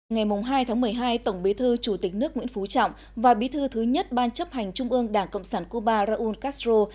ngày hai tháng một mươi hai tổng bí thư chủ tịch nước nguyễn phú trọng và bí thư thứ nhất ban chấp hành trung ương đảng cộng sản cuba raúl castro